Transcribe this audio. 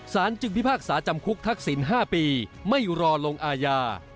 จึงพิพากษาจำคุกทักษิณ๕ปีไม่รอลงอาญา